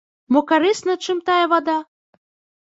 Мо карысна чым тая вада?